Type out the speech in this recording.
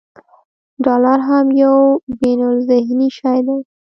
ډالر هم یو بینالذهني شی دی.